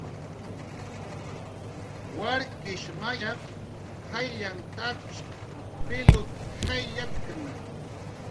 Warkish may qaylllanh tatshq pilut jayllatkna